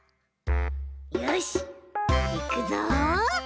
よしいくぞ！